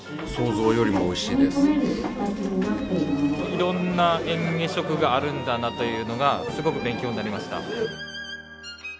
いろんな嚥下食があるんだなというのがすごく勉強になりました。